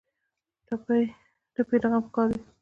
ټپي د غم ښکار وي.